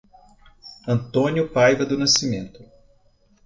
Antônio Paiva do Nascimento